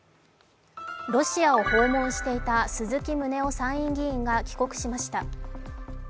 ロシアを訪問していた鈴木宗男参院議員が帰国しました。